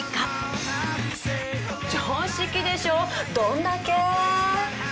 常識でしょどんだけ！